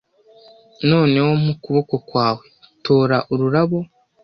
Noneho mpa ukuboko kwawe. Tora ururabo. "